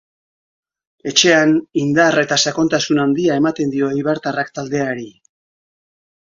Etxean indar eta sakontasun handia ematen dio eibartarrak taldeari.